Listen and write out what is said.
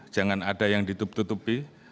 jangan ada yang ditutupi